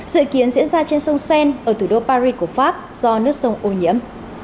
dự kiến diễn ra trên sông sen ở thủ đô paris của pháp do nước sông ô nhiễm